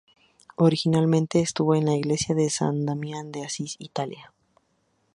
Originalmente estuvo en la iglesia de San Damián de Asís, Italia.